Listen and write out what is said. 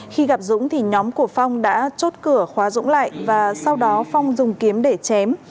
khi gặp dũng thì nhóm của phong đã chốt cửa khóa dũng lại và sau đó phong dùng kiếm để chém